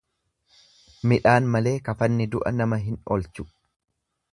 Midhaan malee kafanni du'a nama hin olchu.